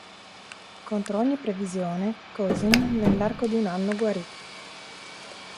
Contro ogni previsione, Cousin nell'arco di un anno guarì.